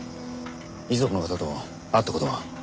遺族の方と会った事は？